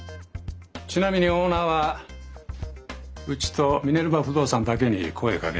ちなみにオーナーはうちとミネルヴァ不動産だけに声をかけたらしい。